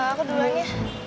aku duluan ya